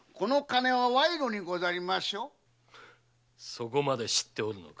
そこまで知っておるのか。